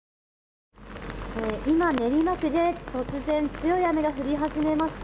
今、練馬区で突然、強い雨が降り始めました。